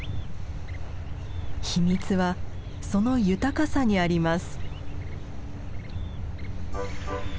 秘密はその豊かさにあります。